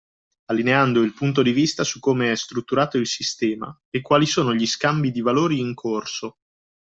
Allineando il punto di vista su come è strutturato il sistema e quali sono gli scambi di valori in corso.